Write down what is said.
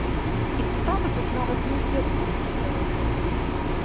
І справа тут нават не ў дзедавым хутары.